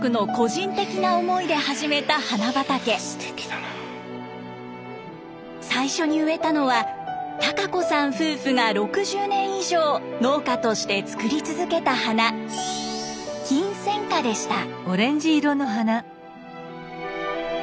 そんな最初に植えたのは孝子さん夫婦が６０年以上農家としてつくり続けた花キンセンカでした。